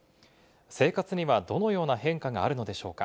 生活にはどのような変化があるのでしょうか？